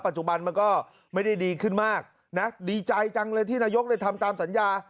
มันก็ไม่ได้ดีขึ้นมากนะดีใจจังเลยที่นายกเลยทำตามสัญญา